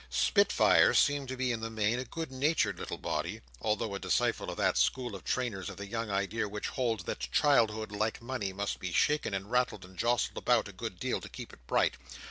Spitfire seemed to be in the main a good natured little body, although a disciple of that school of trainers of the young idea which holds that childhood, like money, must be shaken and rattled and jostled about a good deal to keep it bright.